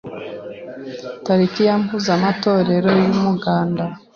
Tariki ya Mpuzamatorero w’umuganda